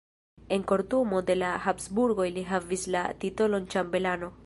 En kortumo de la Habsburgoj li havis la titolon ĉambelano.